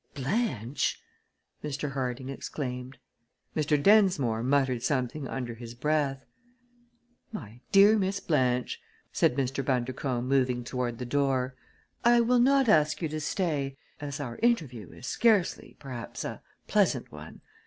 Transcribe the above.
"Blanche!" Mr. Harding exclaimed. Mr. Densmore muttered something under his breath. "My dear Miss Blanche," said Mr. Bundercombe, moving toward the door, "I will not ask you to stay, as our interview is scarcely, perhaps, a pleasant one.